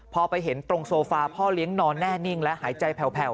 พอไปเห็นตรงโซฟาพ่อเลี้ยงนอนแน่นิ่งและหายใจแผ่ว